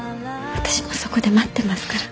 私もそこで待ってますから。